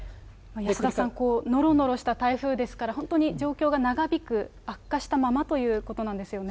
安田さん、のろのろした台風ですから、本当に状況が長引く、悪化したままということなんですよね。